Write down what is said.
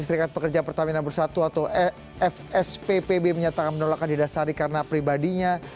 serikat pekerja pertamina bersatu atau fspb menyatakan menolak hadiah sari karena pribadinya